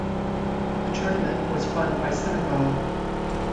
The tournament was won by Senegal.